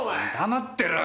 黙ってろよ